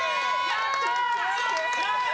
やった！